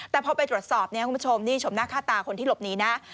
แต่พอไปตรวจสอบนี่ชมหน้าค่าตาคนที่หลบหนีนะ